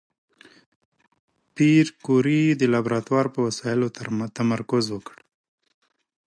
پېیر کوري د لابراتوار په وسایلو تمرکز وکړ.